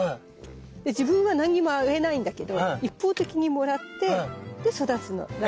で自分は何にもあげないんだけど一方的にもらってで育つの。え。